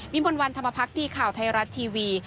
วิมวันวันธรรมพักษ์ที่ข่าวไทยรัฐทีวี